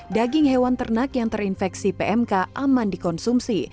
daging hewan ternak yang terinfeksi pmk aman dikonsumsi